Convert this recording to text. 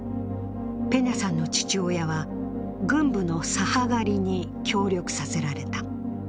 ペニャさんの父親は軍部の左派狩りに協力させられた。